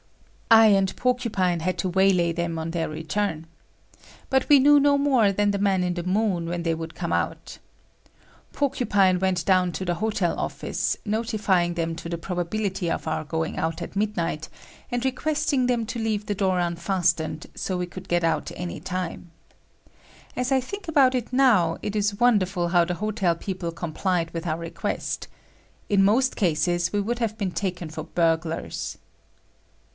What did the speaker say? I and Porcupine had to waylay them on their return. But we knew no more than the man in the moon when they would come out. Porcupine went down to the hotel office, notifying them to the probability of our going out at midnight, and requesting them to leave the door unfastened so we could get out anytime. As I think about it now, it is wonderful how the hotel people complied with our request. In most cases, we would have been taken for burglars.